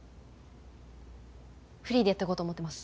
フリーでやってこうと思ってます。